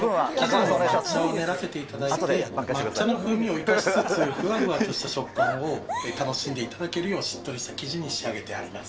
抹茶を練らせていただいて、抹茶の風味を生かしつつ、ふわふわとした食感を楽しんでいただけるよう、しっとりした生地に仕上げてあります。